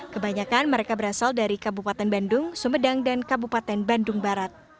kebanyakan mereka berasal dari kabupaten bandung sumedang dan kabupaten bandung barat